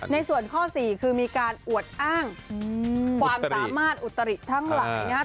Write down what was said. ในส่วนข้อ๔คือมีการอวดอ้างความตามมาตรอุตริทั้งหลาย